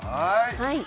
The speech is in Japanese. はい。